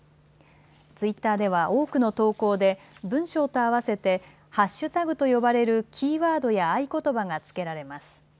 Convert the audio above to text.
ツイッターでは多くの投稿で文章と合わせてハッシュタグと呼ばれるキーワードや合言葉が付けられます。